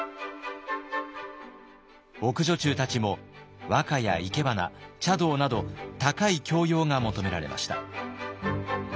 奥女中たちも和歌や生け花茶道など高い教養が求められました。